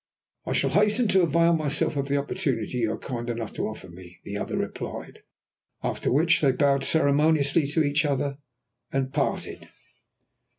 "I shall hasten to avail myself of the opportunity you are kind enough to offer me," the other replied, after which they bowed ceremoniously to each other and parted.